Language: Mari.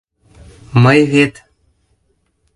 Мый вет...